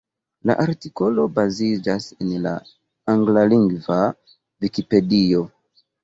La artikolo baziĝas en la anglalingva Vikipedio,